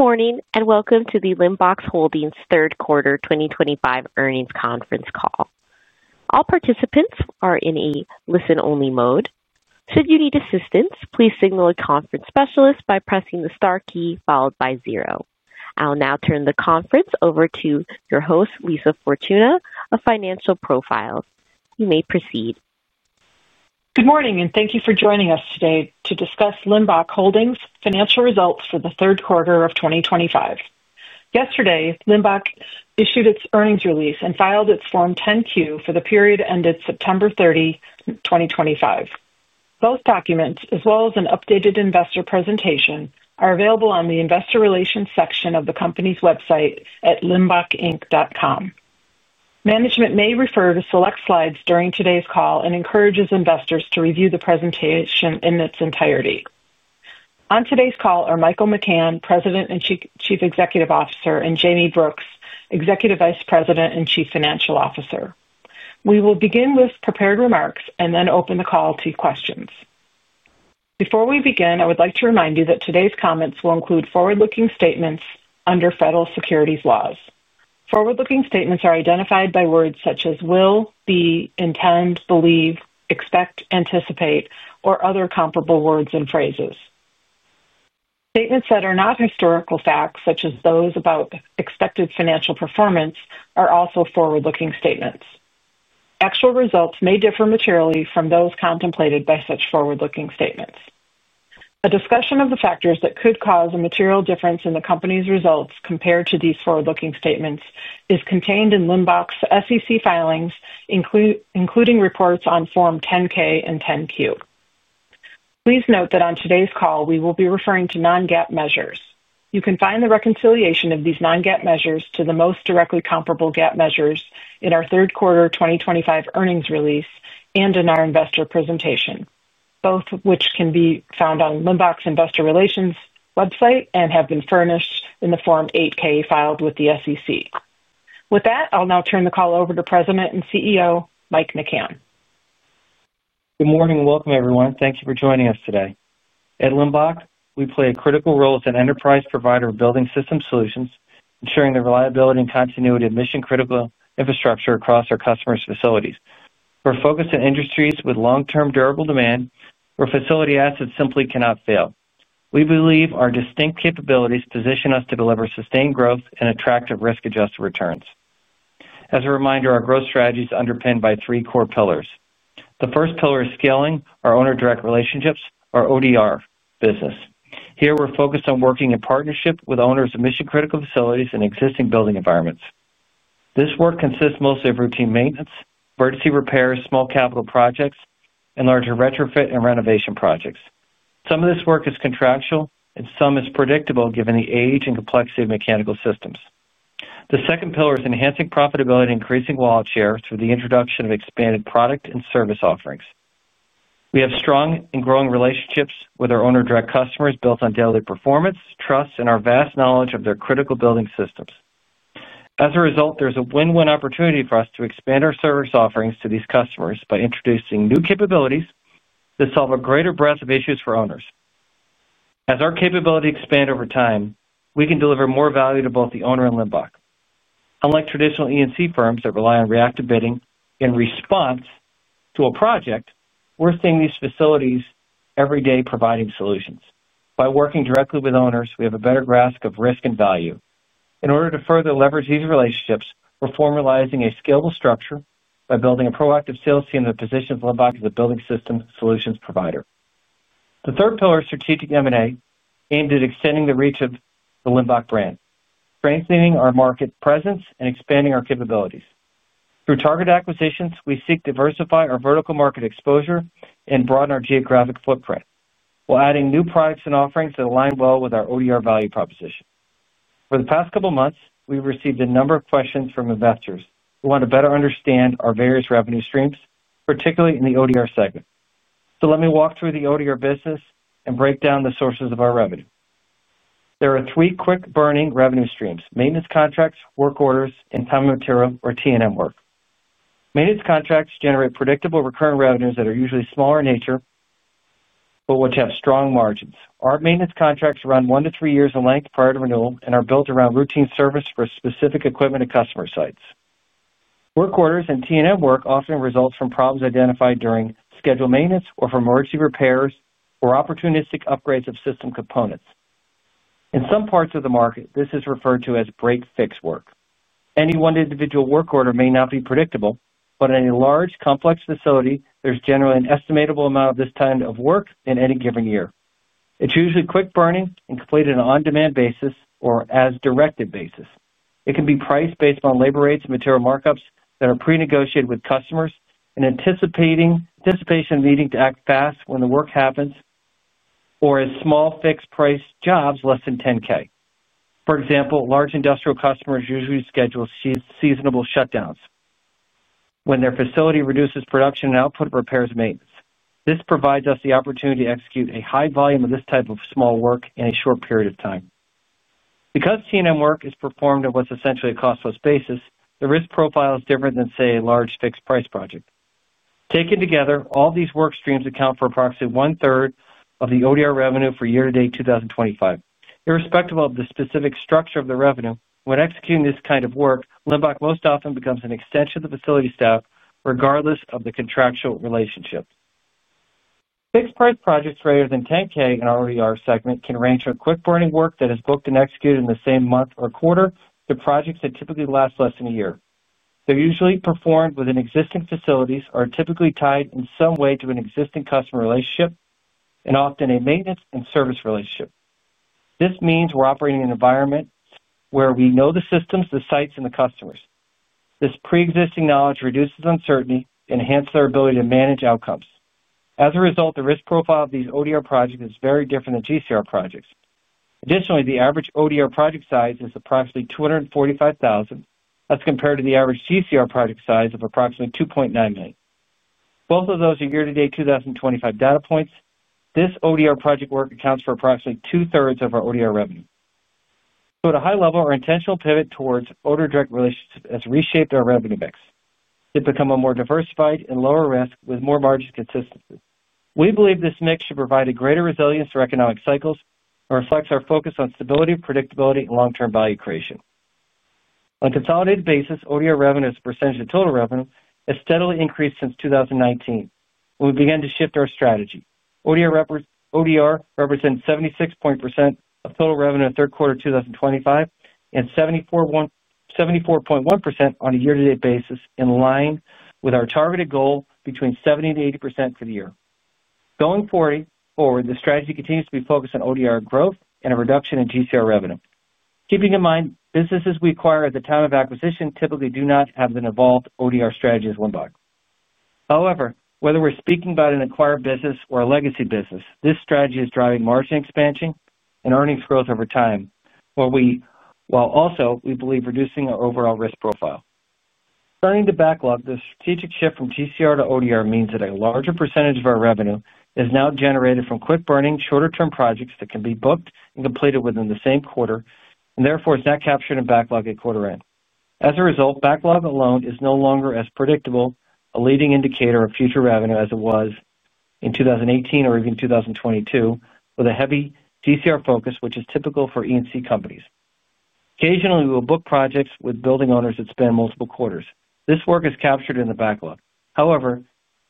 Good morning and welcome to the Limbach Holdings Third Quarter 2025 Earnings Conference Call. All participants are in a listen-only mode. Should you need assistance, please signal a conference specialist by pressing the star key followed by zero. I'll now turn the conference over to your host, Lisa Fortuna of Financial Profiles. You may proceed. Good morning and thank you for joining us today to discuss Limbach Holdings' financial results for the third quarter of 2025. Yesterday, Limbach issued its earnings release and filed its Form 10-Q for the period ended September 30, 2025. Both documents, as well as an updated investor presentation, are available on the investor relations section of the company's website at limbachinc.com. Management may refer to select slides during today's call and encourages investors to review the presentation in its entirety. On today's call are Michael McCann, President and Chief Executive Officer, and Jayme Brooks, Executive Vice President and Chief Financial Officer. We will begin with prepared remarks and then open the call to questions. Before we begin, I would like to remind you that today's comments will include forward-looking statements under federal securities laws. Forward-looking statements are identified by words such as will, be, intend, believe, expect, anticipate, or other comparable words and phrases. Statements that are not historical facts, such as those about expected financial performance, are also forward-looking statements. Actual results may differ materially from those contemplated by such forward-looking statements. A discussion of the factors that could cause a material difference in the company's results compared to these forward-looking statements is contained in Limbach's SEC Filings, including reports on Form 10-K and Form 10-Q. Please note that on today's call, we will be referring to non-GAAP measures. You can find the reconciliation of these non-GAAP measures to the most directly comparable GAAP measures in our third quarter 2025 earnings release and in our investor presentation, both of which can be found on Limbach's investor relations website and have been furnished in the Form 8-K filed with the SEC. With that, I'll now turn the call over to President and CEO Michael McCann. Good morning and welcome, everyone. Thank you for joining us today. At Limbach, we play a critical role as an enterprise provider of building system solutions, ensuring the reliability and continuity of mission-critical infrastructure across our customers' facilities. We're focused on industries with long-term durable demand where facility assets simply cannot fail. We believe our distinct capabilities position us to deliver sustained growth and attractive risk-adjusted returns. As a reminder, our growth strategy is underpinned by three core pillars. The first pillar is scaling our owner-direct relationships, our ODR business. Here, we're focused on working in partnership with owners of mission-critical facilities and existing building environments. This work consists mostly of routine maintenance, emergency repairs, small capital projects, and larger retrofit and renovation projects. Some of this work is contractual and some is predictable given the age and complexity of mechanical systems. The second pillar is enhancing profitability and increasing wallet share through the introduction of expanded product and service offerings. We have strong and growing relationships with our owner-direct customers built on daily performance, trust, and our vast knowledge of their critical building systems. As a result, there's a win-win opportunity for us to expand our service offerings to these customers by introducing new capabilities that solve a greater breadth of issues for owners. As our capability expands over time, we can deliver more value to both the owner and Limbach. Unlike traditional E&C Firms that rely on reactive bidding in response to a project, we're seeing these facilities every day providing solutions. By working directly with owners, we have a better grasp of risk and value. In order to further leverage these relationships, we're formalizing a scalable structure by building a proactive sales team that positions Limbach as a building system solutions provider. The third pillar is strategic M&A aimed at extending the reach of the Limbach brand, strengthening our market presence, and expanding our capabilities. Through target acquisitions, we seek to diversify our vertical market exposure and broaden our geographic footprint while adding new products and offerings that align well with our ODR value proposition. For the past couple of months, we've received a number of questions from investors who want to better understand our various revenue streams, particularly in the ODR segment. Let me walk through the ODR business and break down the sources of our revenue. There are three quick-burning revenue streams: maintenance contracts, work orders, and time and material, or T&M work. Maintenance contracts generate predictable recurring revenues that are usually smaller in nature, but which have strong margins. Our maintenance contracts run one to three years in length prior to renewal and are built around routine service for specific equipment and customer sites. Work orders and T&M work often result from problems identified during scheduled maintenance or from emergency repairs or opportunistic upgrades of system components. In some parts of the market, this is referred to as break-fix work. Any one individual work order may not be predictable, but in a large, complex facility, there's generally an estimatable amount of this kind of work in any given year. It's usually quick-burning and completed on an on-demand basis or as-directed basis. It can be priced based on labor rates and material markups that are pre-negotiated with customers and anticipation leading to act fast when the work happens. Or as small fixed-price jobs less than $10,000. For example, large industrial customers usually schedule seasonable shutdowns. When their facility reduces production and output of repairs and maintenance. This provides us the opportunity to execute a high volume of this type of small work in a short period of time. Because T&M work is performed on what's essentially a costless basis, the risk profile is different than, say, a large fixed-price project. Taken together, all these work streams account for approximately one-third of the ODR revenue for year-to-date 2025. Irrespective of the specific structure of the revenue, when executing this kind of work, Limbach most often becomes an extension of the facility staff, regardless of the contractual relationship. Fixed-price projects rated within $10,000 in our ODR segment can range from quick-burning work that is booked and executed in the same month or quarter to projects that typically last less than a year. They're usually performed within existing facilities or are typically tied in some way to an existing customer relationship and often a maintenance and service relationship. This means we're operating in an environment where we know the systems, the sites, and the customers. This pre-existing knowledge reduces uncertainty and enhances our ability to manage outcomes. As a result, the risk profile of these ODR projects is very different than GCR projects. Additionally, the average ODR project size is approximately $245,000, as compared to the average GCR project size of approximately $2.9 million. Both of those are year-to-date 2025 data points. This ODR project work accounts for approximately 2/3 of our ODR revenue. At a high level, our intentional pivot towards owner-direct relationships has reshaped our revenue mix. It's become more diversified and lower risk with more margin consistency. We believe this mix should provide greater resilience for economic cycles and reflects our focus on stability, predictability, and long-term value creation. On a consolidated basis, ODR revenue as a percentage of total revenue has steadily increased since 2019, when we began to shift our strategy. ODR represents 76.4% of total revenue in the third quarter of 2025 and 74.1% on a year-to-date basis, in line with our targeted goal between 70%-80% for the year. Going forward, the strategy continues to be focused on ODR growth and a reduction in GCR revenue. Keeping in mind, businesses we acquire at the time of acquisition typically do not have an evolved ODR strategy as Limbach. However, whether we're speaking about an acquired business or a legacy business, this strategy is driving margin expansion and earnings growth over time, while also, we believe, reducing our overall risk profile. Starting to backlog, the strategic shift from GCR to ODR means that a larger percentage of our revenue is now generated from quick-burning, shorter-term projects that can be booked and completed within the same quarter, and therefore is not captured in backlog at quarter end. As a result, backlog alone is no longer as predictable a leading indicator of future revenue as it was in 2018 or even 2022, with a heavy GCR focus, which is typical for E&C companies. Occasionally, we will book projects with building owners that span multiple quarters. This work is captured in the backlog. However,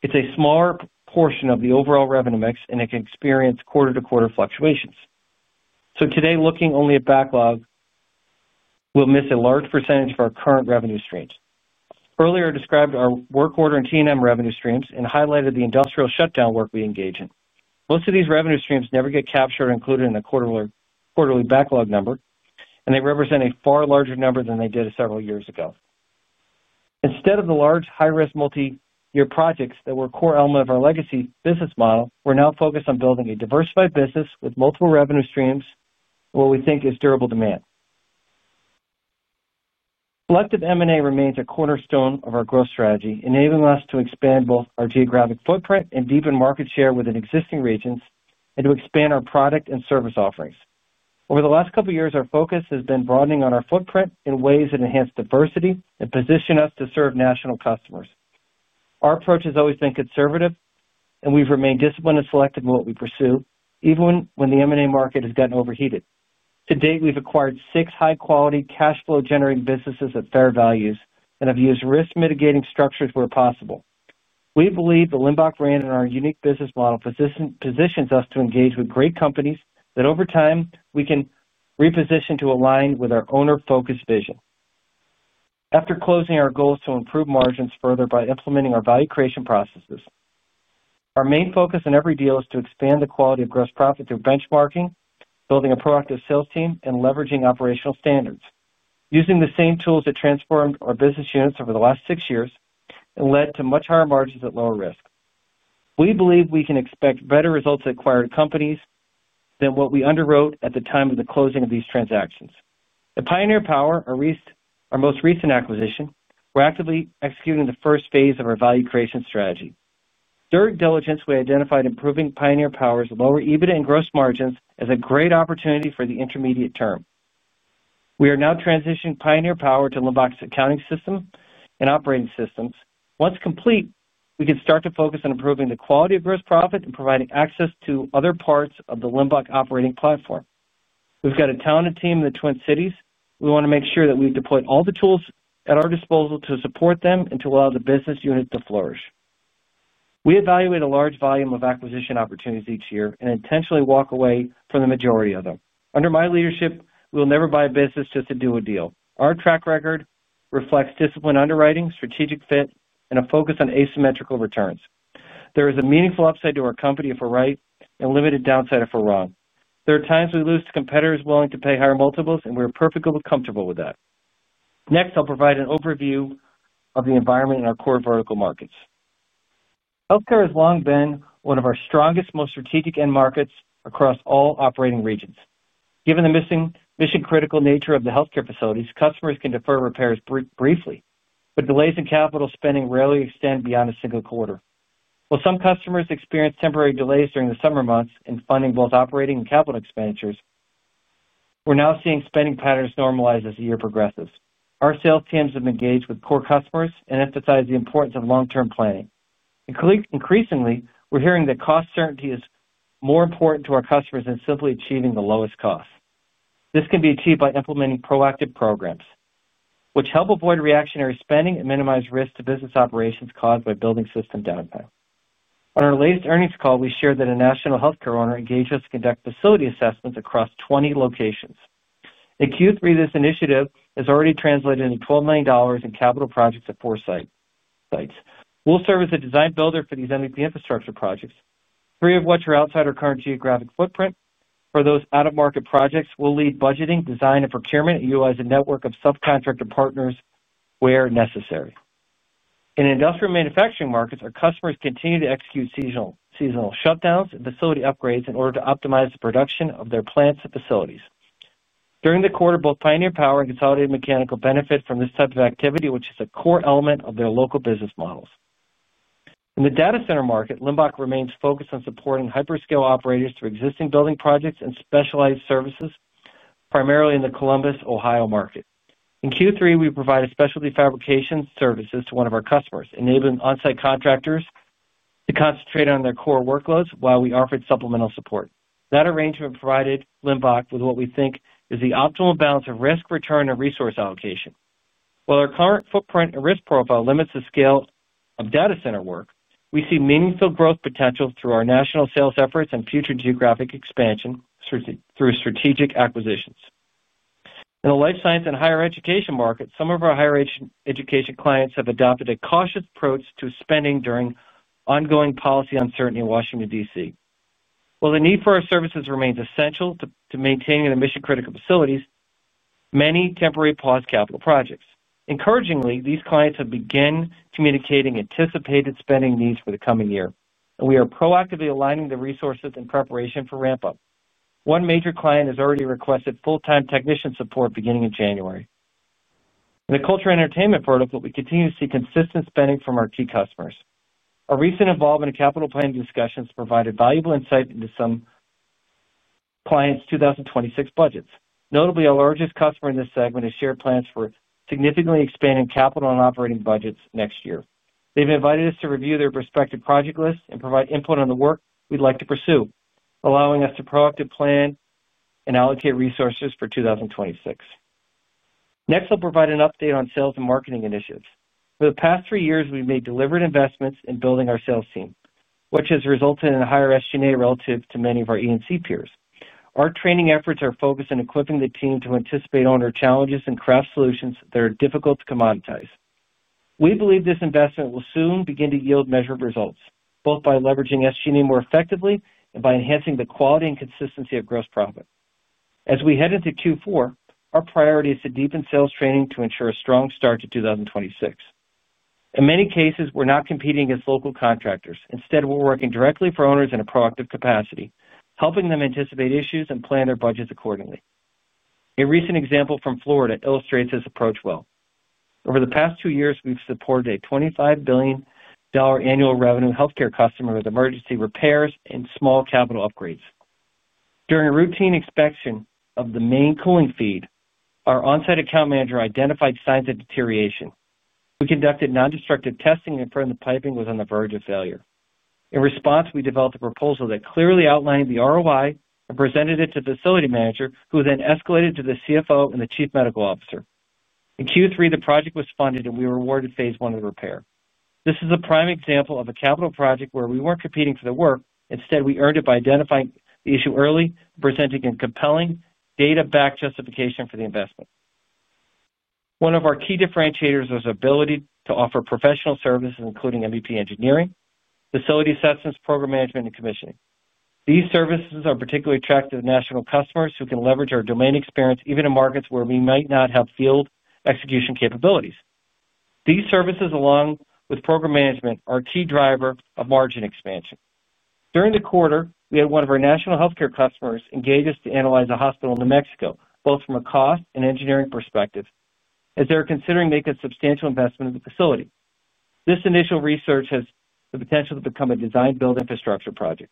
it's a smaller portion of the overall revenue mix, and it can experience quarter-to-quarter fluctuations. Today, looking only at backlog, we'll miss a large percentage of our current revenue streams. Earlier, I described our work order and T&M revenue streams and highlighted the industrial shutdown work we engage in. Most of these revenue streams never get captured or included in the quarterly backlog number, and they represent a far larger number than they did several years ago. Instead of the large, high-risk, multi-year projects that were a core element of our legacy business model, we're now focused on building a diversified business with multiple revenue streams and what we think is durable demand. Selective M&A remains a cornerstone of our growth strategy, enabling us to expand both our geographic footprint and deepen market share within existing regions and to expand our product and service offerings. Over the last couple of years, our focus has been broadening on our footprint in ways that enhance diversity and position us to serve national customers. Our approach has always been conservative, and we've remained disciplined and selective in what we pursue, even when the M&A market has gotten overheated. To date, we've acquired six high-quality, Cash-Flow-Generating businesses at fair values that have used risk-mitigating structures where possible. We believe that Limbach brand and our unique business model positions us to engage with great companies that, over time, we can reposition to align with our owner-focused vision. After closing, our goal is to improve margins further by implementing our value creation processes. Our main focus in every deal is to expand the quality of gross profit through benchmarking, building a proactive sales team, and leveraging operational standards. Using the same tools that transformed our business units over the last six years and led to much higher margins at lower risk. We believe we can expect better results at acquired companies than what we underwrote at the time of the closing of these transactions. At Pioneer Power, our most recent acquisition, we're actively executing the first phase of our value creation strategy. During diligence, we identified improving Pioneer Power's lower EBITDA and gross margins as a great opportunity for the intermediate term. We are now transitioning Pioneer Power to Limbach's accounting system and operating systems. Once complete, we can start to focus on improving the quality of gross profit and providing access to other parts of the Limbach operating platform. We've got a talented team in the Twin Cities. We want to make sure that we've deployed all the tools at our disposal to support them and to allow the business unit to flourish. We evaluate a large volume of acquisition opportunities each year and intentionally walk away from the majority of them. Under my leadership, we will never buy a business just to do a deal. Our track record reflects disciplined underwriting, strategic fit, and a focus on asymmetrical returns. There is a meaningful upside to our company if we're right and a limited downside if we're wrong. There are times we lose to competitors willing to pay higher multiples, and we are perfectly comfortable with that. Next, I'll provide an overview of the environment in our core vertical markets. Healthcare has long been one of our strongest, most strategic end markets across all operating regions. Given the mission-critical nature of the healthcare facilities, customers can defer repairs briefly, but delays in capital spending rarely extend beyond a single quarter. While some customers experience temporary delays during the summer months in funding both operating and capital expenditures, we're now seeing spending patterns normalize as the year progresses. Our sales teams have engaged with core customers and emphasized the importance of long-term planning. Increasingly, we're hearing that cost certainty is more important to our customers than simply achieving the lowest cost. This can be achieved by implementing proactive programs, which help avoid reactionary spending and minimize risk to business operations caused by building system downtime. On our latest earnings call, we shared that a national healthcare owner engaged us to conduct facility assessments across 20 locations. In Q3, this initiative has already translated into $12 million in capital projects at four sites. We'll serve as a design builder for these MVP infrastructure projects, three of which are outside our current geographic footprint. For those out-of-market projects, we'll lead budgeting, design, and procurement, utilizing a network of subcontractor partners where necessary. In industrial and manufacturing markets, our customers continue to execute seasonal shutdowns and facility upgrades in order to optimize the production of their plants and facilities. During the quarter, both Pioneer Power and Consolidated Mechanical benefit from this type of activity, which is a core element of their local business models. In the data center market, Limbach remains focused on supporting hyperscale operators through existing building projects and specialized services, primarily in the Columbus, Ohio market. In Q3, we provided specialty fabrication services to one of our customers, enabling on-site contractors to concentrate on their core workloads while we offered supplemental support. That arrangement provided Limbach with what we think is the optimal balance of risk, return, and resource allocation. While our current footprint and risk profile limits the scale of data center work, we see meaningful growth potential through our national sales efforts and future geographic expansion through strategic acquisitions. In the life science and higher education market, some of our higher education clients have adopted a cautious approach to spending during ongoing policy uncertainty in Washington, D.C. While the need for our services remains essential to maintaining the mission-critical facilities, many temporarily paused capital projects. Encouragingly, these clients have begun communicating anticipated spending needs for the coming year, and we are proactively aligning the resources in preparation for Ramp-Up. One major client has already requested full-time technician support beginning in January. In the culture and entertainment vertical, we continue to see consistent spending from our key customers. Our recent involvement in capital planning discussions provided valuable insight into some clients' 2026 budgets. Notably, our largest customer in this segment has shared plans for significantly expanding capital and operating budgets next year. They've invited us to review their prospective project list and provide input on the work we'd like to pursue, allowing us to proactively plan and allocate resources for 2026. Next, I'll provide an update on sales and marketing initiatives. For the past three years, we've made deliberate investments in building our sales team, which has resulted in a higher SG&A relative to many of our E&C peers. Our training efforts are focused on equipping the team to anticipate owner challenges and craft solutions that are difficult to commoditize. We believe this investment will soon begin to yield measured results, both by leveraging SG&A more effectively and by enhancing the quality and consistency of gross profit. As we head into Q4, our priority is to deepen sales training to ensure a strong start to 2026. In many cases, we're not competing against local contractors. Instead, we're working directly for owners in a proactive capacity, helping them anticipate issues and plan their budgets accordingly. A recent example from Florida illustrates this approach well. Over the past two years, we've supported a $25 billion annual revenue healthcare customer with emergency repairs and small capital upgrades. During a routine inspection of the main cooling feed, our on-site account manager identified signs of deterioration. We conducted Non-Destructive testing and confirmed the Piping was on the verge of failure. In response, we developed a proposal that clearly outlined the ROI and presented it to the facility manager, who then escalated to the CFO and the chief medical officer. In Q3, the project was funded, and we were awarded phase one of the repair. This is a prime example of a capital project where we weren't competing for the work. Instead, we earned it by identifying the issue early and presenting a compelling data-backed justification for the investment. One of our key differentiators was our ability to offer professional services, including MVP engineering, facility assessments, program management, and commissioning. These services are particularly attractive to national customers who can leverage our domain experience even in markets where we might not have field execution capabilities. These services, along with program management, are a key driver of margin expansion. During the quarter, we had one of our national healthcare customers engage us to analyze a hospital in New Mexico, both from a cost and engineering perspective, as they were considering making a substantial investment in the facility. This initial research has the potential to become a design-build infrastructure project.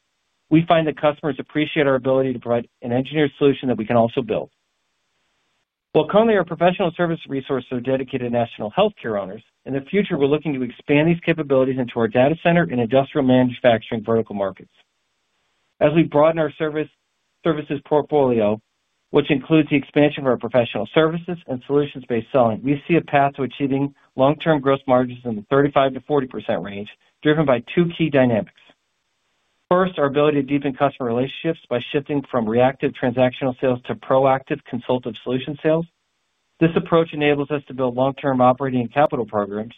We find that customers appreciate our ability to provide an engineered solution that we can also build. While currently, our professional service resources are dedicated to national healthcare owners, in the future, we're looking to expand these capabilities into our data center and industrial manufacturing vertical markets. As we broaden our services portfolio, which includes the expansion of our professional services and solutions-based selling, we see a path to achieving long-term gross margins in the 35%-40% range, driven by two key dynamics. First, our ability to deepen customer relationships by shifting from reactive transactional sales to proactive consultative solution sales. This approach enables us to build long-term operating and capital programs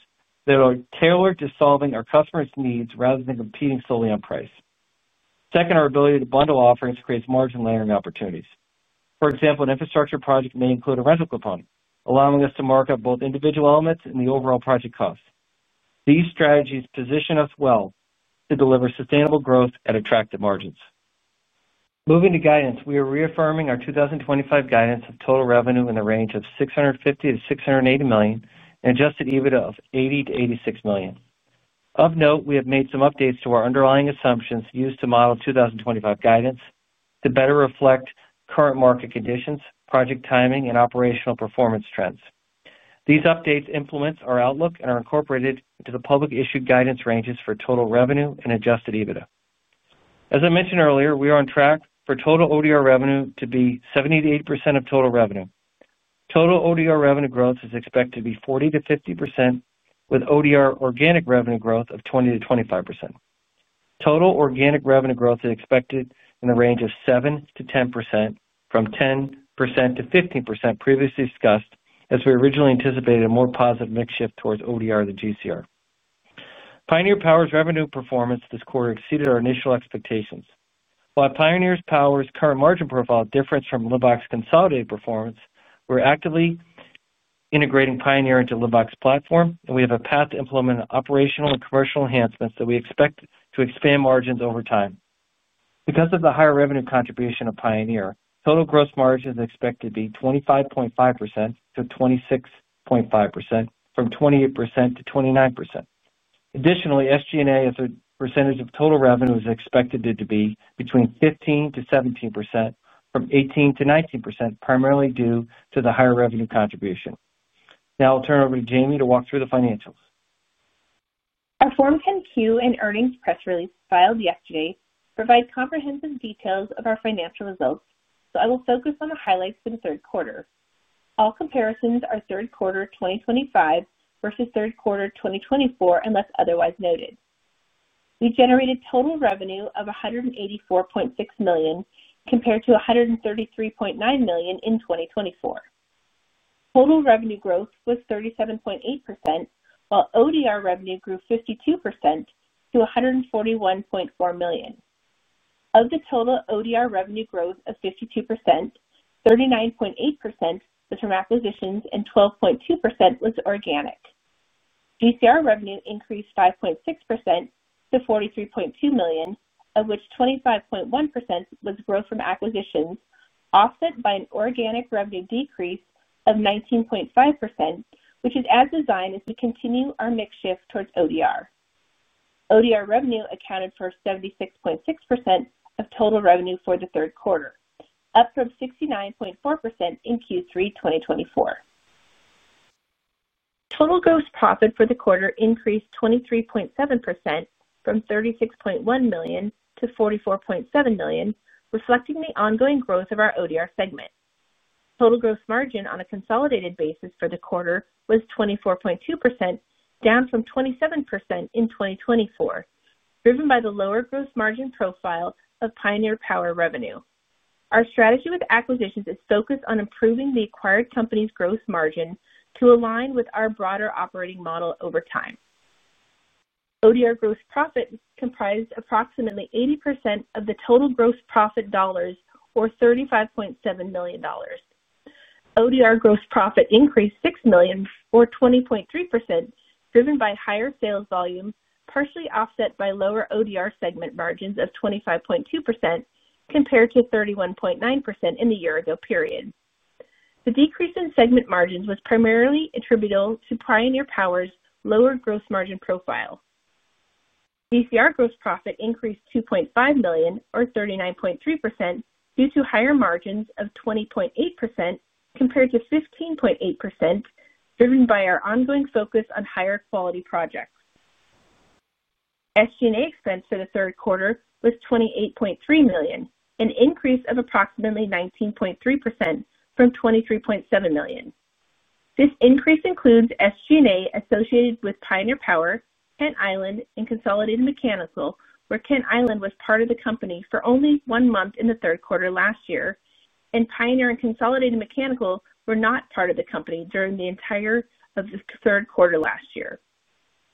that are tailored to solving our customers' needs rather than competing solely on price. Second, our ability to bundle offerings creates margin layering opportunities. For example, an infrastructure project may include a rental component, allowing us to mark up both individual elements and the overall project cost. These strategies position us well to deliver sustainable growth at attractive margins. Moving to guidance, we are reaffirming our 2025 guidance of total revenue in the range of $650 million-$680 million and adjusted EBITDA of $80 million-$86 million. Of note, we have made some updates to our underlying assumptions used to model 2025 guidance to better reflect current market conditions, project timing, and operational performance trends. These updates influence our outlook and are incorporated into the public-issued guidance ranges for total revenue and adjusted EBITDA. As I mentioned earlier, we are on track for total ODR revenue to be 70%-80% of total revenue. Total ODR revenue growth is expected to be 40% to 50%, with ODR organic revenue growth of 20% to 25%. Total organic revenue growth is expected in the range of 7-10%, from 10-15% previously discussed, as we originally anticipated a more positive mix shift towards ODR than GCR. Pioneer Power's revenue performance this quarter exceeded our initial expectations. While Pioneer Power's current margin profile differs from Limbach's consolidated performance, we're actively integrating Pioneer into Limbach's platform, and we have a path to implement operational and commercial enhancements that we expect to expand margins over time. Because of the higher revenue contribution of Pioneer, total gross margins are expected to be 25.5%t to 26.5%, from 28 to 29%. Additionally, SG&A as a percentage of total revenue is expected to be between 15% and 17%, from 18% and 19%, primarily due to the higher revenue contribution. Now, I'll turn it over to Jayme to walk through the financials. Our Form 10-Q and earnings press release filed yesterday provides comprehensive details of our financial results, so I will focus on the highlights for the third quarter. All comparisons are third quarter 2025 versus third quarter 2024, unless otherwise noted. We generated total revenue of $184.6 million compared to $133.9 million in 2024. Total revenue growth was 37.8%, while ODR revenue grew 52% to $141.4 million. Of the total ODR revenue growth of 52%, 39.8% was from acquisitions and 12.2% was organic. GCR revenue increased 5.6% to $43.2 million, of which 25.1% was growth from acquisitions, offset by an organic revenue decrease of 19.5%, which is as designed as we continue our mix shift towards ODR. ODR revenue accounted for 76.6% of total revenue for the third quarter, up from 69.4% in Q3 2024. Total gross profit for the quarter increased 23.7% from $36.1 million to $44.7 million, reflecting the ongoing growth of our ODR segment. Total gross margin on a consolidated basis for the quarter was 24.2%, down from 27% in 2024, driven by the lower gross margin profile of Pioneer Power revenue. Our strategy with acquisitions is focused on improving the acquired company's gross margin to align with our broader operating model over time. ODR gross profit comprised approximately 80% of the total gross profit dollars, or $35.7 million. ODR gross profit increased $6 million, or 20.3%, driven by higher sales volume, partially offset by lower ODR segment margins of 25.2% compared to 31.9% in the year-ago period. The decrease in segment margins was primarily attributable to Pioneer Power's lower gross margin profile. GCR gross profit increased $2.5 million, or 39.3%, due to higher margins of 20.8% compared to 15.8%, driven by our ongoing focus on higher quality projects. SG&A expense for the third quarter was $28.3 million, an increase of approximately 19.3% from $23.7 million. This increase includes SG&A associated with Pioneer Power, Kent Island, and Consolidated Mechanical, where Kent Island was part of the company for only one month in the third quarter last year, and Pioneer and Consolidated Mechanical were not part of the company during the entire third quarter last year.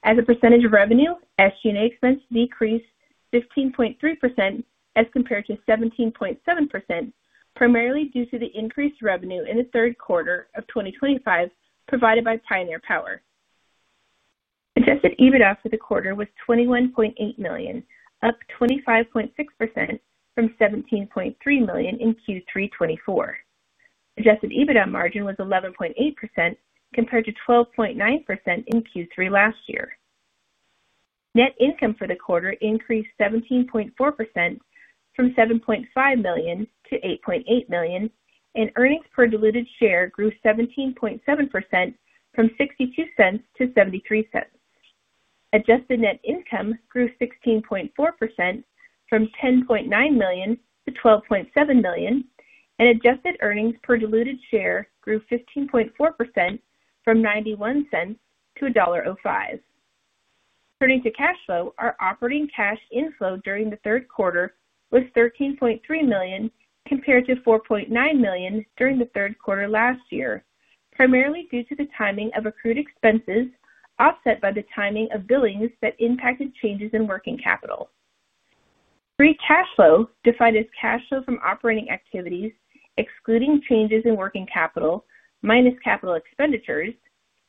As a percentage of revenue, SG&A expense decreased to 15.3% as compared to 17.7%, primarily due to the increased revenue in the third quarter of 2025 provided by Pioneer Power. Adjusted EBITDA for the quarter was $21.8 million, up 25.6% from $17.3 million in Q3 2024. Adjusted EBITDA margin was 11.8% compared to 12.9% in Q3 last year. Net income for the quarter increased 17.4% from $7.5 million to $8.8 million, and earnings per diluted share grew 17.7% from $0.62 to $0.73. Adjusted net income grew 16.4% from $10.9 million to $12.7 million, and adjusted earnings per diluted share grew 15.4% from $0.91 to $1.05. Turning to cash flow, our operating cash inflow during the third quarter was $13.3 million compared to $4.9 million during the third quarter last year, primarily due to the timing of accrued expenses offset by the timing of billings that impacted changes in working capital. Free cash flow, defined as cash flow from operating activities excluding changes in working capital minus capital expenditures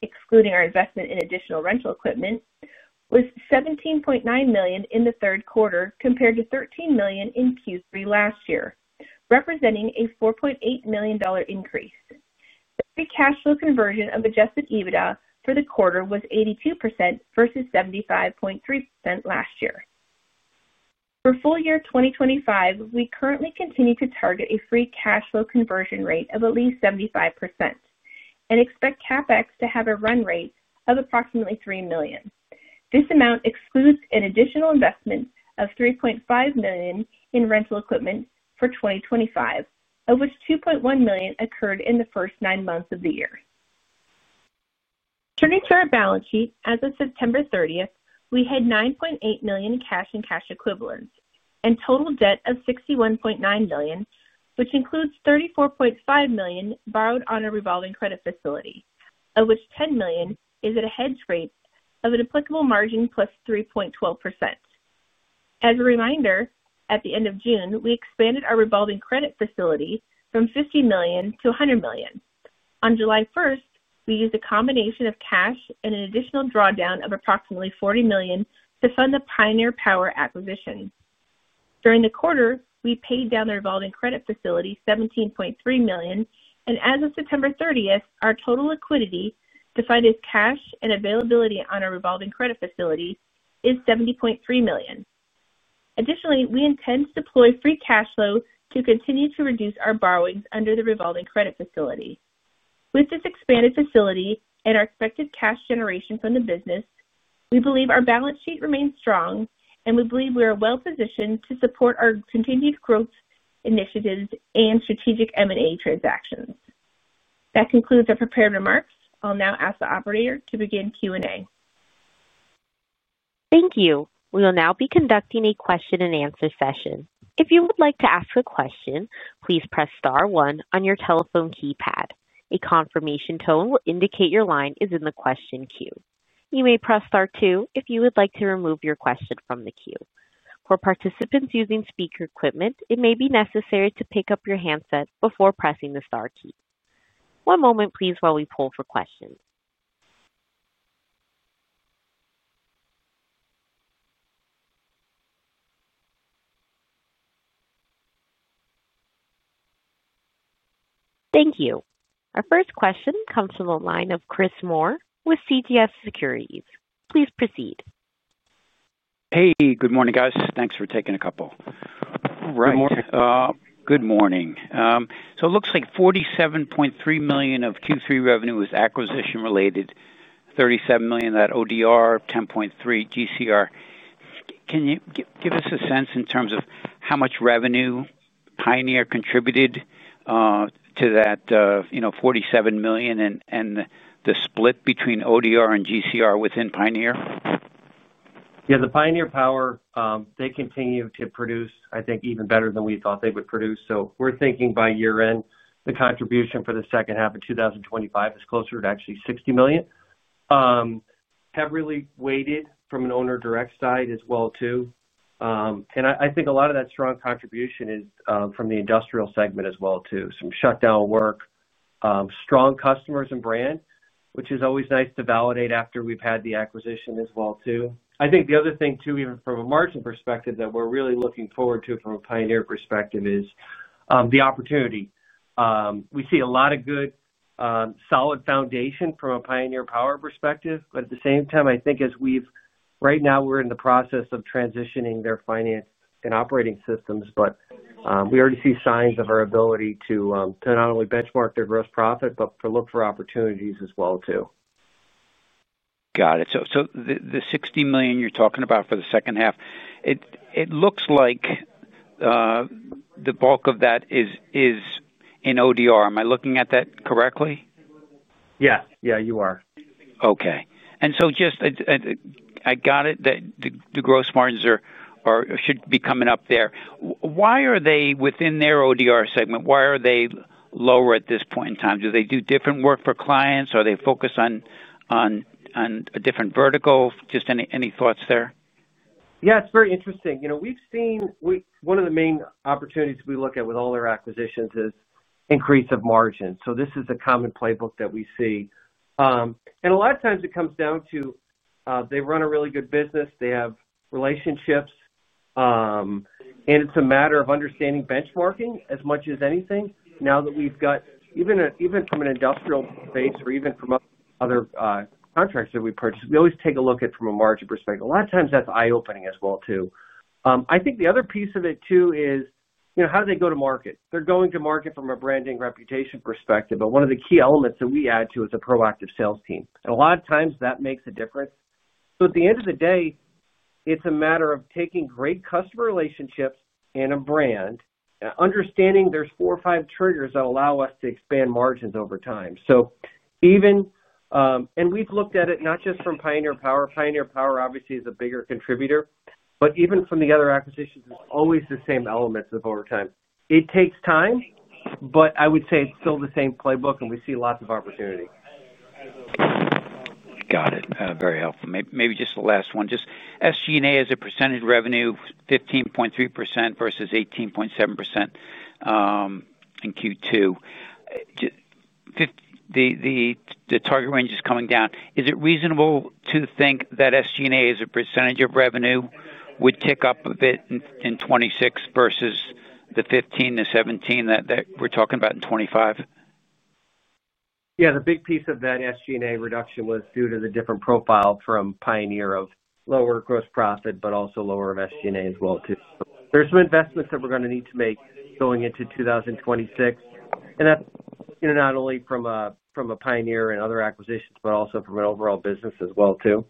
excluding our investment in additional rental equipment, was $17.9 million in the third quarter compared to $13 million in Q3 last year, representing a $4.8 million increase. The free cash flow conversion of adjusted EBITDA for the quarter was 82% versus 75.3% last year. For full year 2025, we currently continue to target a free cash flow conversion rate of at least 75%. We expect CapEx to have a run rate of approximately $3 million. This amount excludes an additional investment of $3.5 million in rental equipment for 2025, of which $2.1 million occurred in the first nine months of the year. Turning to our balance sheet, as of September 30th, we had $9.8 million in cash and cash equivalents and total debt of $61.9 million, which includes $34.5 million borrowed on a revolving credit facility, of which $10 million is at a head scrape of an applicable margin plus 3.12%. As a reminder, at the end of June, we expanded our revolving credit facility from $50 million to $100 million. On July 1st, we used a combination of cash and an additional drawdown of approximately $40 million to fund the Pioneer Power acquisition. During the quarter, we paid down the revolving credit facility $17.3 million, and as of September 30th, our total liquidity, defined as cash and availability on a revolving credit facility, is $70.3 million. Additionally, we intend to deploy free cash flow to continue to reduce our borrowings under the revolving credit facility. With this expanded facility and our expected cash generation from the business, we believe our balance sheet remains strong, and we believe we are well-positioned to support our continued growth initiatives and strategic M&A transactions. That concludes our prepared remarks. I'll now ask the operator to begin Q&A. Thank you. We will now be conducting a question-and-answer session. If you would like to ask a question, please press star one on your telephone keypad. A confirmation tone will indicate your line is in the question queue. You may press star two if you would like to remove your question from the queue. For participants using speaker equipment, it may be necessary to pick up your handset before pressing the star key. One moment, please, while we pull for questions. Thank you. Our first question comes from the line of Chris Moore with CJS Securities. Please proceed. Hey, good morning, guys. Thanks for taking a couple. Good morning. Good morning. So it looks like $47.3 million of Q3 revenue was acquisition-related, $37 million in that ODR, $10.3 million GCR. Can you give us a sense in terms of how much revenue Pioneer contributed to that $47 million and the split between ODR and GCR within Pioneer? Yeah, the Pioneer Power, they continue to produce, I think, even better than we thought they would produce. We're thinking by year-end, the contribution for the second half of 2025 is closer to actually $60 million. Have really weighted from an owner-direct side as well, too. I think a lot of that strong contribution is from the industrial segment as well, too, some shutdown work. Strong customers and brand, which is always nice to validate after we've had the acquisition as well, too. I think the other thing, too, even from a margin perspective, that we're really looking forward to from a Pioneer perspective is the opportunity. We see a lot of good. Solid foundation from a Pioneer Power perspective, but at the same time, I think as we've right now, we're in the process of transitioning their finance and operating systems, but we already see signs of our ability to not only benchmark their gross profit but to look for opportunities as well, too. Got it. So the $60 million you're talking about for the second half. It looks like the bulk of that is in ODR. Am I looking at that correctly? Yeah. Yeah, you are. Okay. I got it that the gross margins should be coming up there. Why are they within their ODR segment? Why are they lower at this point in time? Do they do different work for clients? Are they focused on a different vertical? Just any thoughts there? Yeah, it's very interesting. We've seen one of the main opportunities we look at with all their acquisitions is increase of margins. This is a common playbook that we see. A lot of times, it comes down to they run a really good business. They have relationships. It's a matter of understanding benchmarking as much as anything. Now that we've got even from an industrial base or even from other contracts that we purchase, we always take a look at from a margin perspective. A lot of times, that's eye-opening as well, too. I think the other piece of it, too, is how do they go to market? They're going to market from a branding reputation perspective, but one of the key elements that we add to is a proactive sales team. A lot of times, that makes a difference. At the end of the day, it's a matter of taking great customer relationships and a brand, understanding there's four or five triggers that allow us to expand margins over time. We've looked at it not just from Pioneer Power. Pioneer Power, obviously, is a bigger contributor, but even from the other acquisitions, it's always the same elements of over time. It takes time, but I would say it's still the same playbook, and we see lots of opportunity. Got it. Very helpful. Maybe just the last one. Just SG&A as a percentage of revenue, 15.3% versus 18.7% in Q2. The target range is coming down. Is it reasonable to think that SG&A as a percentage of revenue would tick up a bit in 2026 versus the 15% to 17% that we're talking about in 2025? Yeah, the big piece of that SG&A reduction was due to the different profile from Pioneer of lower gross profit but also lower SG&A as well, too. There are some investments that we're going to need to make going into 2026, and that's not only from a Pioneer and other acquisitions but also from an overall business as well, too.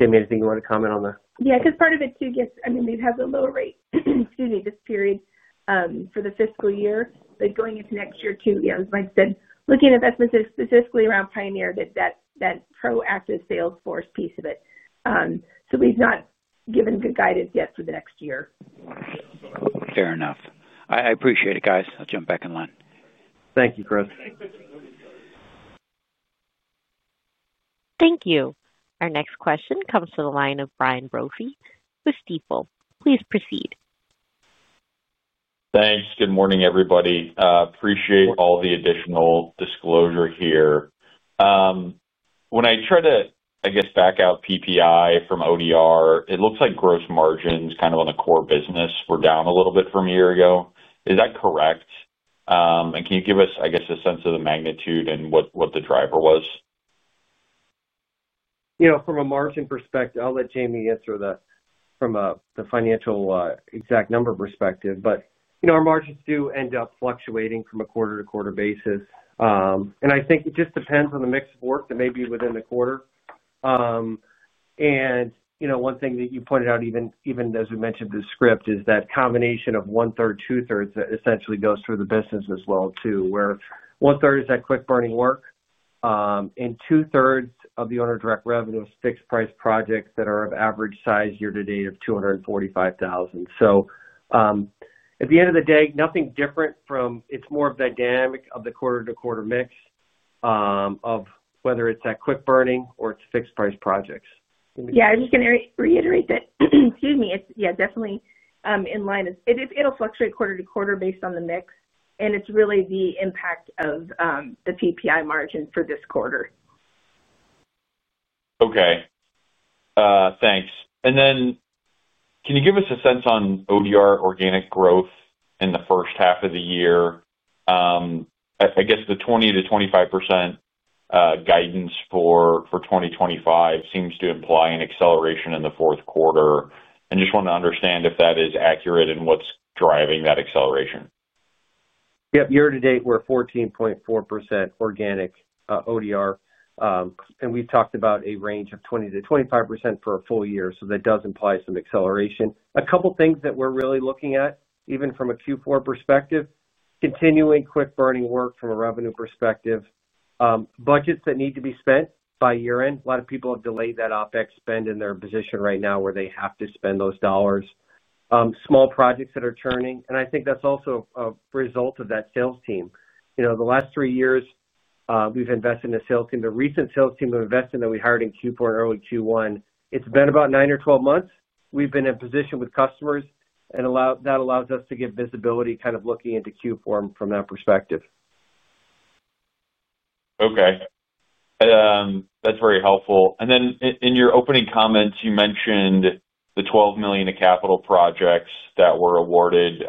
Amy, anything you want to comment on that? Yeah, because part of it, too, gets—I mean, they have a lower rate, excuse me, this period for the fiscal year, but going into next year, too, as Mike said, looking at investments specifically around Pioneer, that proactive sales force piece of it. So we've not given good guidance yet for the next year. Fair enough. I appreciate it, guys. I'll jump back in line. Thank you, Chris. Thank you. Our next question comes from the line of Brian Brophy with Stifel. Please proceed. Thanks. Good morning, everybody. Appreciate all the additional disclosure here. When I try to, I guess, back out Pioneer Power from ODR, it looks like gross margins kind of on the core business were down a little bit from a year ago. Is that correct? And can you give us, I guess, a sense of the magnitude and what the driver was? From a margin perspective, I'll let Jamie answer that from the financial exact number perspective, but our margins do end up fluctuating from a quarter-to-quarter basis. I think it just depends on the mix of work that may be within the quarter. One thing that you pointed out, even as we mentioned in the script, is that combination of one-third, 2/3 that essentially goes through the business as well, too, where one-third is that quick-burning work and 2/3 of the owner-direct revenue is fixed-price projects that are of average size year-to-date of $245,000. At the end of the day, nothing different from it's more of the dynamic of the quarter-to-quarter mix of whether it's that quick-burning or it's fixed-price projects. Yeah, I was just going to reiterate that, excuse me, yeah, definitely in line of it'll fluctuate quarter-to-quarter based on the mix, and it's really the impact of the PPI margin for this quarter. Okay. Thanks. Can you give us a sense on ODR organic growth in the first half of the year? I guess the 20%-25% guidance for 2025 seems to imply an acceleration in the fourth quarter. I just want to understand if that is accurate and what's driving that acceleration. Yep. Year-to-date, we're 14.4% organic ODR. And we've talked about a range of 20-25% for a full year, so that does imply some acceleration. A couple of things that we're really looking at, even from a Q4 perspective, continuing quick-burning work from a revenue perspective. Budgets that need to be spent by year-end. A lot of people have delayed that OpEx spend in their position right now where they have to spend those dollars. Small projects that are churning. I think that's also a result of that sales team. The last three years, we've invested in a sales team. The recent sales team we invested in that we hired in Q4 and early Q1, it's been about nine or 12 months. We've been in position with customers, and that allows us to get visibility kind of looking into Q4 from that perspective. Okay. That's very helpful. In your opening comments, you mentioned the $12 million of capital projects that were awarded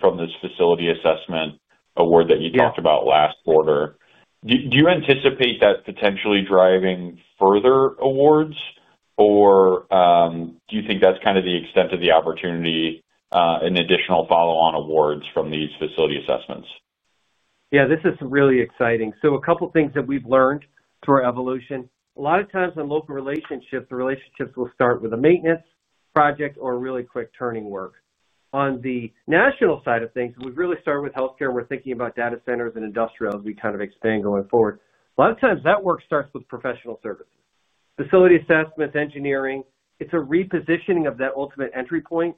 from this facility assessment award that you talked about last quarter. Do you anticipate that potentially driving further awards, or do you think that's kind of the extent of the opportunity in additional follow-on awards from these facility assessments? Yeah, this is really exciting. A couple of things that we've learned through our evolution. A lot of times on local relationships, the relationships will start with a maintenance project or really quick turning work. On the national side of things, we really start with healthcare, and we're thinking about data centers and industrial as we kind of expand going forward. A lot of times, that work starts with professional services. Facility assessments, engineering, it's a repositioning of that ultimate entry point.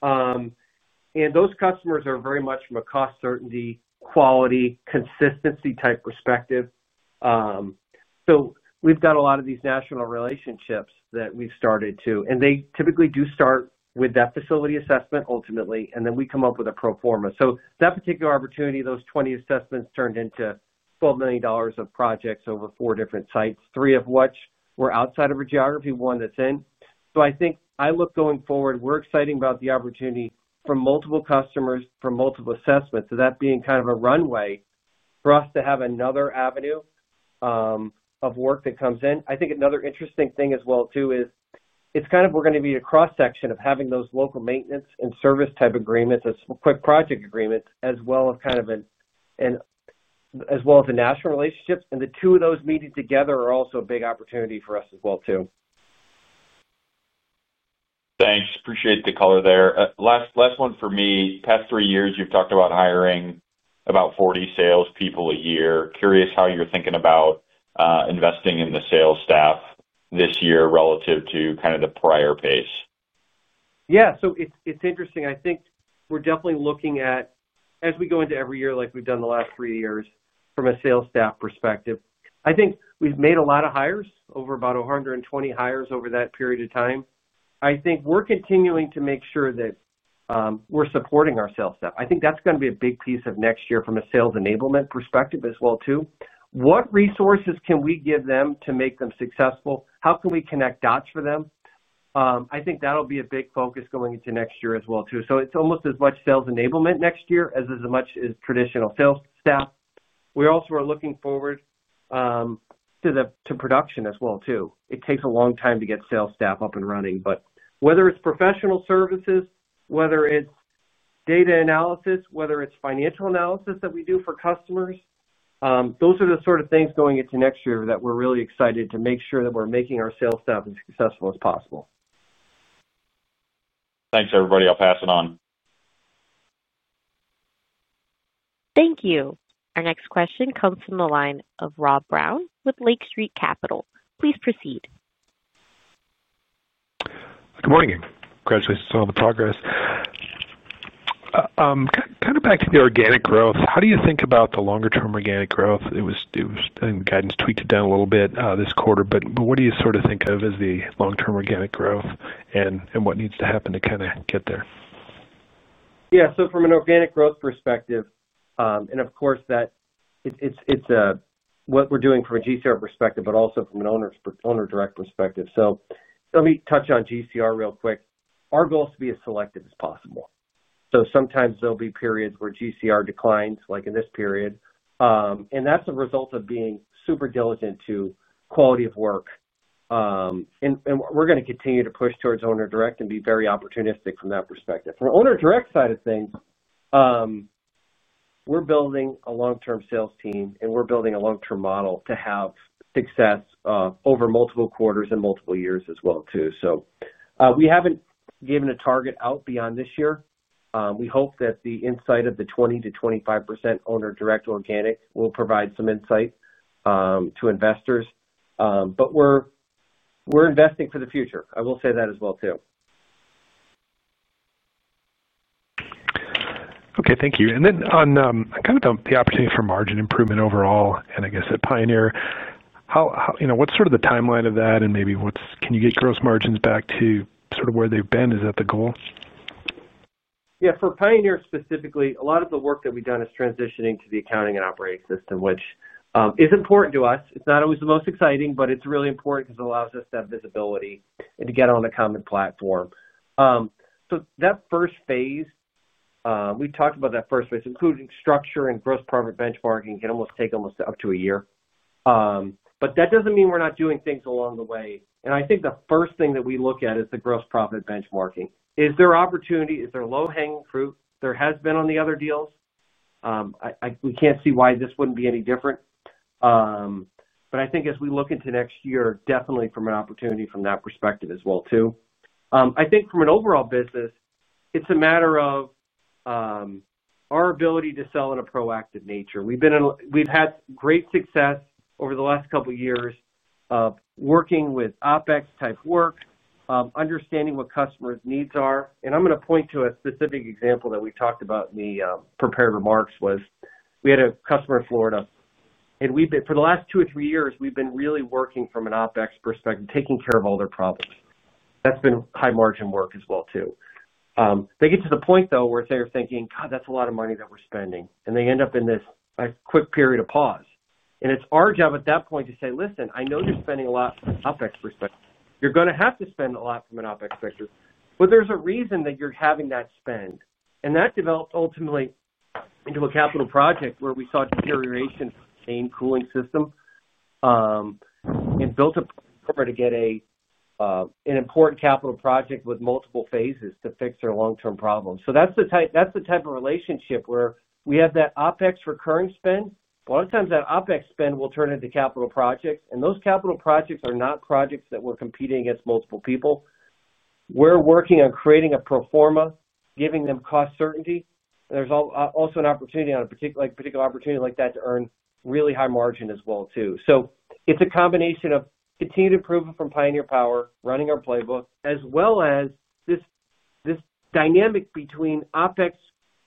Those customers are very much from a cost certainty, quality, consistency type perspective. We've got a lot of these national relationships that we've started, too. They typically do start with that facility assessment ultimately, and then we come up with a pro forma. That particular opportunity, those 20 assessments turned into $12 million of projects over four different sites, three of which were outside of a geography, one that's in. I think I look going forward, we're excited about the opportunity from multiple customers, from multiple assessments, so that being kind of a runway for us to have another avenue of work that comes in. I think another interesting thing as well, too, is it's kind of we're going to be a cross-section of having those local maintenance and service type agreements as quick project agreements as well as kind of an, as well as a national relationship. The two of those meeting together are also a big opportunity for us as well, too. Thanks. Appreciate the color there. Last one for me. Past three years, you've talked about hiring about 40 salespeople a year. Curious how you're thinking about. Investing in the sales staff this year relative to kind of the prior pace. Yeah. So it's interesting. I think we're definitely looking at, as we go into every year like we've done the last three years from a sales staff perspective, I think we've made a lot of hires, over about 120 HiRes over that period of time. I think we're continuing to make sure that we're supporting our sales staff. I think that's going to be a big piece of next year from a sales enablement perspective as well, too. What resources can we give them to make them successful? How can we connect dots for them? I think that'll be a big focus going into next year as well, too. It's almost as much sales enablement next year as as much as traditional sales staff. We also are looking forward to production as well, too. It takes a long time to get sales staff up and running, but whether it is professional services, whether it is data analysis, whether it is financial analysis that we do for customers, those are the sort of things going into next year that we are really excited to make sure that we are making our sales staff as successful as possible. Thanks, everybody. I will pass it on. Thank you. Our next question comes from the line of Rob Brown with Lake Street Capital. Please proceed. Good morning. Congratulations on the progress. Kind of back to the organic growth. How do you think about the longer-term organic growth? It was. Guidance tweaked it down a little bit this quarter, but what do you sort of think of as the long-term organic growth and what needs to happen to kind of get there? Yeah. From an organic growth perspective, and of course. It's what we're doing from a GCR perspective, but also from an owner-direct perspective. Let me touch on GCR real quick. Our goal is to be as selective as possible. Sometimes there'll be periods where GCR declines, like in this period. That's a result of being super diligent to quality of work. We're going to continue to push towards owner-direct and be very opportunistic from that perspective. From the owner-direct side of things, we're building a long-term sales team, and we're building a long-term model to have success over multiple quarters and multiple years as well, too. We haven't given a target out beyond this year. We hope that the insight of the 20%-25% owner-direct organic will provide some insight to investors. We're investing for the future. I will say that as well, too. Okay. Thank you. Kind of the opportunity for margin improvement overall, and I guess at Pioneer. What's sort of the timeline of that, and maybe can you get gross margins back to sort of where they've been? Is that the goal? Yeah. For Pioneer specifically, a lot of the work that we've done is transitioning to the accounting and operating system, which is important to us. It's not always the most exciting, but it's really important because it allows us to have visibility and to get on a common platform. That first phase, we talked about that first phase, including structure and gross profit benchmarking, can almost take up to a year. That does not mean we're not doing things along the way. I think the first thing that we look at is the gross profit benchmarking. Is there opportunity? Is there low-hanging fruit? There has been on the other deals. We can't see why this wouldn't be any different. I think as we look into next year, definitely from an opportunity from that perspective as well, too. I think from an overall business, it's a matter of our ability to sell in a proactive nature. We've had great success over the last couple of years of working with OpEx type work, understanding what customers' needs are. I'm going to point to a specific example that we talked about in the prepared remarks was we had a customer in Florida. For the last two or three years, we've been really working from an OpEx perspective, taking care of all their problems. That's been high-margin work as well, too. They get to the point, though, where they're thinking, "God, that's a lot of money that we're spending." They end up in this quick period of pause. It's our job at that point to say, "Listen, I know you're spending a lot from an OpEx perspective. You're going to have to spend a lot from an OpEx perspective. There's a reason that you're having that spend." That developed ultimately into a capital project where we saw deterioration in the main cooling system. Built a program to get a. Important capital project with multiple phases to fix their long-term problem. That's the type of relationship where we have that OpEx recurring spend. A lot of times, that OpEx spend will turn into capital projects, and those capital projects are not projects that we're competing against multiple people. We're working on creating a pro forma, giving them cost certainty. There's also an opportunity on a particular opportunity like that to earn really high margin as well, too. It's a combination of continuing to improve from Pioneer Power, running our playbook, as well as this dynamic between OpEx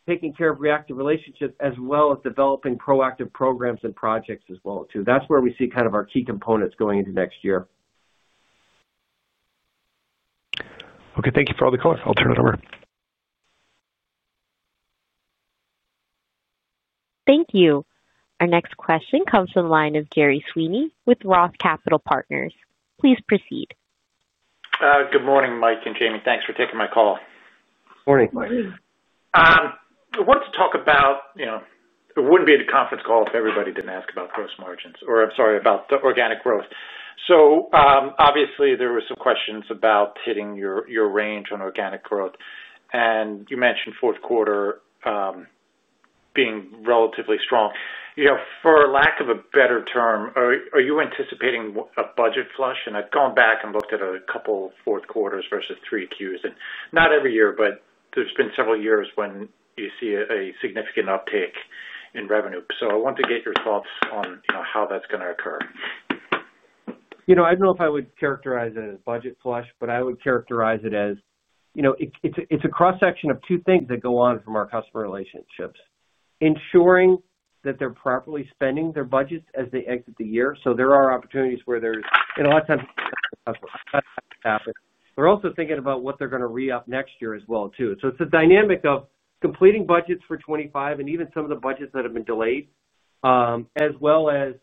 taking care of reactive relationships as well as developing proactive programs and projects as well, too. That's where we see kind of our key components going into next year. Okay. Thank you for all the call. I'll turn it over. Thank you. Our next question comes from the line of Gerry Sweeney with ROTH Capital Partners. Please proceed. Good morning, Mike and Jayme. Thanks for taking my call. Morning. Morning. I wanted to talk about. It wouldn't be a conference call if everybody didn't ask about gross margins or, I'm sorry, about the organic growth. Obviously, there were some questions about hitting your range on organic growth, and you mentioned fourth quarter being relatively strong. For lack of a better term, are you anticipating a budget flush? I've gone back and looked at a couple of fourth quarters versus three Qs, and not every year, but there's been several years when you see a significant uptake in revenue. I want to get your thoughts on how that's going to occur. I don't know if I would characterize it as a budget flush, but I would characterize it as a cross-section of two things that go on from our customer relationships: ensuring that they're properly spending their budgets as they exit the year. There are opportunities where there's—and a lot of times, that doesn't happen. We're also thinking about what they're going to re-up next year as well, too. It's a dynamic of completing budgets for 2025 and even some of the budgets that have been delayed. As well as,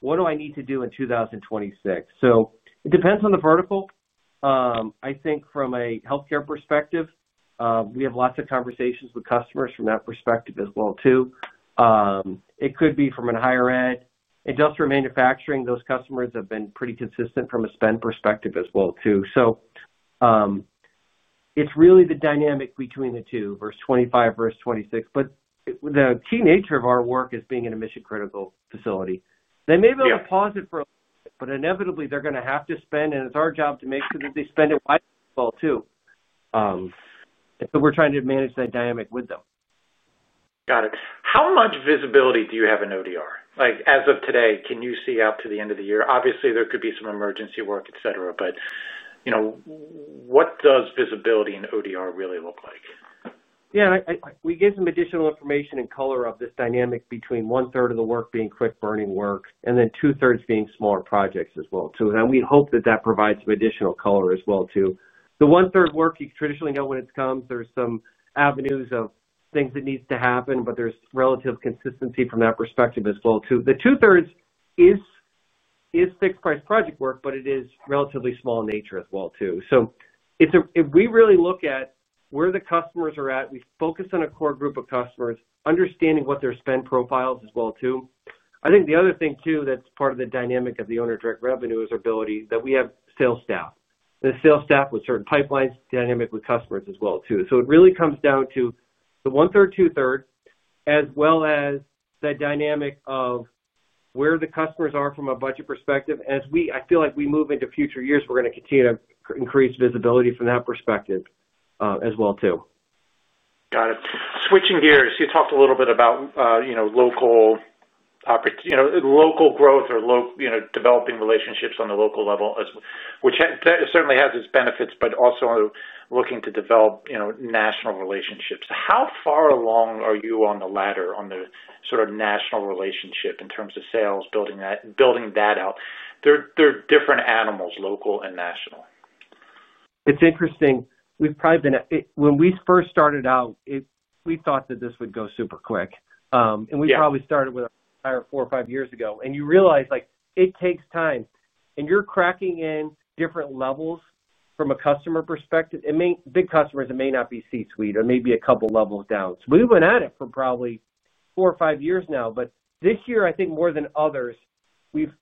"What do I need to do in 2026?" It depends on the vertical. I think from a healthcare perspective, we have lots of conversations with customers from that perspective as well, too. It could be from a higher ed, industrial manufacturing. Those customers have been pretty consistent from a spend perspective as well, too. It's really the dynamic between the two, 2025 versus 2026. The key nature of our work is being in a mission-critical facility. They may be able to pause it for a little bit, but inevitably, they're going to have to spend, and it's our job to make sure that they spend it wisely as well, too. We're trying to manage that dynamic with them. Got it. How much visibility do you have in ODR? As of today, can you see out to the end of the year? Obviously, there could be some emergency work, etc., but what does visibility in ODR really look like? Yeah. And we gave some additional information and color of this dynamic between one-third of the work being quick-burning work and then 2/3 being smaller projects as well, too. We hope that that provides some additional color as well, too. The 1/3 work, you traditionally know when it's come. There's some avenues of things that need to happen, but there's relative consistency from that perspective as well, too. The 2/3 is fixed-price project work, but it is relatively small in nature as well, too. If we really look at where the customers are at, we focus on a core group of customers, understanding what their spend profiles as well, too. I think the other thing, too, that's part of the dynamic of the owner-direct revenue is our ability that we have sales staff. The sales staff with certain pipelines, dynamic with customers as well, too. It really comes down to the 1/3, 2/3, as well as the dynamic of where the customers are from a budget perspective. I feel like as we move into future years, we're going to continue to increase visibility from that perspective as well, too. Got it. Switching gears, you talked a little bit about local growth or developing relationships on the local level, which certainly has its benefits, but also looking to develop national relationships. How far along are you on the ladder on the sort of national relationship in terms of sales, building that out? They're different animals, local and national. It's interesting. We've probably been, when we first started out. We thought that this would go super quick. We probably started with our entire four or five years ago. You realize it takes time. You're cracking in different levels from a customer perspective. Big customers, it may not be C-suite. It may be a couple of levels down. We've been at it for probably four or five years now. This year, I think more than others, we've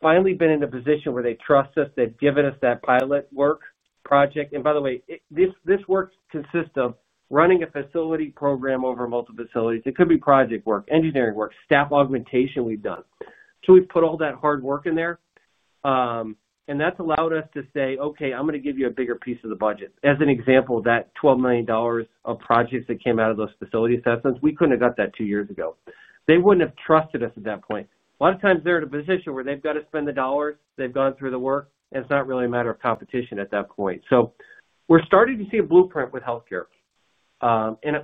finally been in a position where they trust us. They've given us that pilot work project. By the way, this work consists of running a facility program over multiple facilities. It could be project work, engineering work, staff augmentation we've done. We've put all that hard work in there. That's allowed us to say, "Okay, I'm going to give you a bigger piece of the budget." As an example, that $12 million of projects that came out of those facility assessments, we couldn't have got that two years ago. They wouldn't have trusted us at that point. A lot of times, they're in a position where they've got to spend the dollars. They've gone through the work. It's not really a matter of competition at that point. We're starting to see a blueprint with healthcare.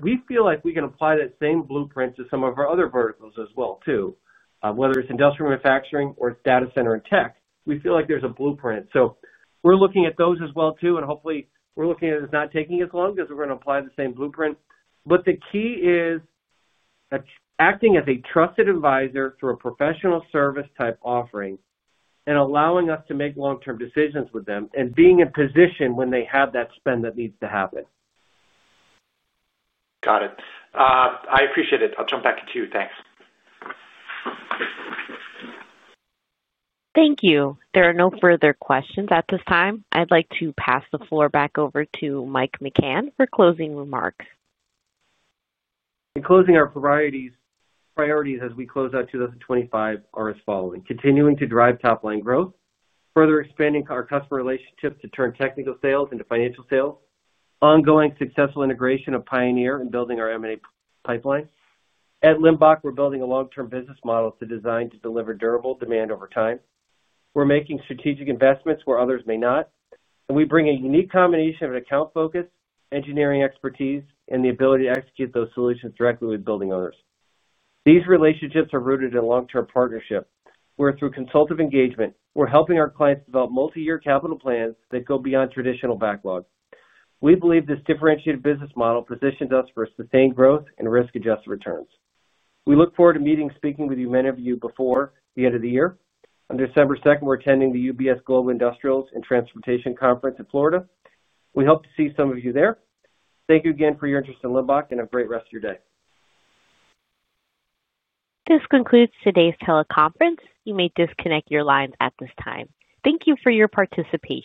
We feel like we can apply that same blueprint to some of our other verticals as well, too. Whether it's industrial manufacturing or data center and tech, we feel like there's a blueprint. We're looking at those as well, too. Hopefully, we're looking at it as not taking as long because we're going to apply the same blueprint. The key is acting as a trusted advisor through a professional service type offering and allowing us to make long-term decisions with them and being in position when they have that spend that needs to happen. Got it. I appreciate it. I'll jump back to you. Thanks. Thank you. There are no further questions at this time. I'd like to pass the floor back over to Michael McCann for closing remarks. In closing, our priorities as we close out 2025 are as follows: continuing to drive top-line growth, further expanding our customer relationship to turn technical sales into financial sales, ongoing successful integration of Pioneer and building our M&A pipeline. At Limbach, we're building a long-term business model designed to deliver durable demand over time. We're making strategic investments where others may not. We bring a unique combination of account focus, engineering expertise, and the ability to execute those solutions directly with building owners. These relationships are rooted in a long-term partnership where, through consultative engagement, we are helping our clients develop multi-year capital plans that go beyond traditional backlog. We believe this differentiated business model positions us for sustained growth and risk-adjusted returns. We look forward to meeting and speaking with many of you before the end of the year. On December 2nd, we are attending the UBS Global Industrials and Transportation Conference in Florida. We hope to see some of you there. Thank you again for your interest in Limbach and have a great rest of your day. This concludes today's teleconference. You may disconnect your lines at this time. Thank you for your participation.